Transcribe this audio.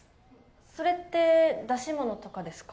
それって出し物とかですか？